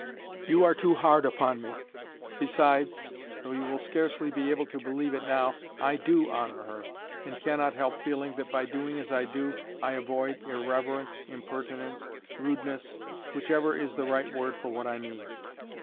"You are too hard upon me. Besides, though you will scarcely be able to believe it now, I DO honour her, and cannot help feeling that by doing as I do, I avoid irreverence, impertinence, rudeness—whichever is the right word for what I mean."